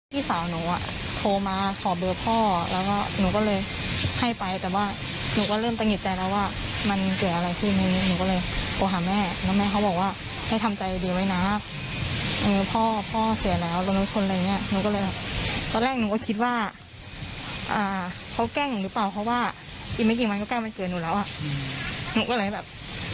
ว่าเขาแกล้งหนูหรือเปล่าเพราะว่าอีกไม่กี่วันมันภาพรู้วรรณมันเกิดหนูแล้วยิโอนุก็เลยแบบ